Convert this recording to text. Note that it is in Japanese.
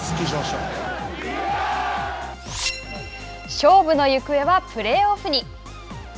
勝負の行方はプレーオフに。